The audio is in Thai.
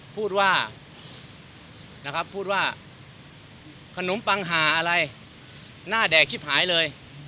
พูดว่านะครับพูดว่าขนมปังหาอะไรหน้าแดกชิบหายเลย